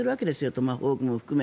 トマホークも含め。